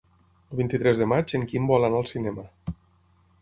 El vint-i-tres de maig en Quim vol anar al cinema.